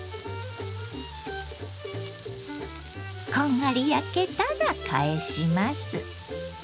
こんがり焼けたら返します。